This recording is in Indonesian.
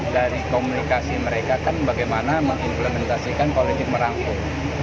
dari komunikasi mereka kan bagaimana mengimplementasikan politik merangkul